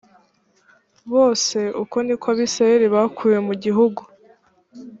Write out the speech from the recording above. bose uko ni ko abisirayeli bakuwe mu gihugu